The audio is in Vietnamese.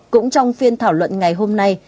cũng trong phiên thảo luận ngày hôm nay